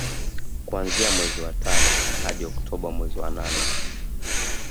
Kuanzia mwezi wa tano hadi Oktoba mezi wa nane